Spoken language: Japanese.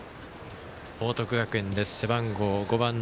報徳学園です。